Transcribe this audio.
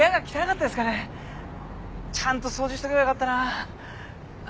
ちゃんと掃除しとけばよかったな。